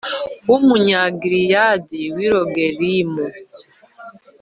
w Umunyagaleyadi w i Rogelimu